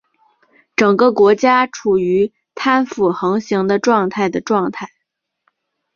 整个国家处于贪腐横行的状态的状态。